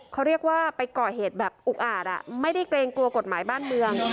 เขาเรียกว่าไปก่อเหตุแบบอุกอาจไม่ได้เกรงกลัวกฎหมายบ้านเมือง